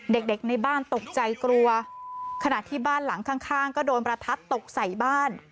เด็กเด็กในบ้านตกใจกลัวขณะที่บ้านหลังข้างข้างก็โดนประทัดตกใส่บ้าน